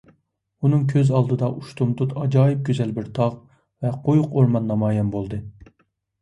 ئۇنىڭ كۆز ئالدىدا ئۇشتۇمتۇت ئاجايىپ گۈزەل بىر تاغ ۋە قويۇق ئورمان نامايان بولدى.